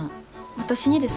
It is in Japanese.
私にですか？